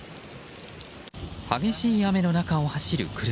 激しい雨の中を走る車。